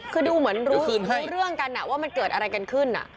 คือดูเหมือนรู้เรื่องกันว่ามันเกิดอะไรกันขึ้น